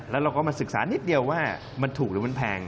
แล้วเราก็มาศึกษานิดเดียวว่ามันถูกหรือมันแพง